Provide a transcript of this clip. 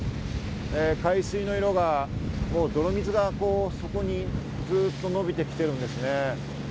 海水の色が泥水がそこに伸びてきているんですね。